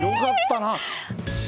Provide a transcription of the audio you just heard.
よかったな。